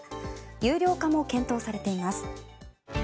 有料化も検討されています。